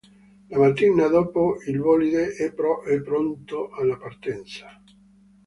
La mattina dopo, il Bolide è pronto alla partenza.